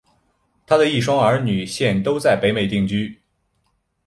她的一双儿女现都在北美定居。